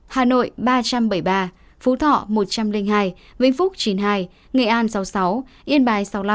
hà nội ba trăm bảy mươi ba phú thọ một trăm linh hai vĩnh phúc chín mươi hai nghệ an sáu mươi sáu yên bái sáu mươi năm